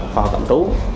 phò cẩm trú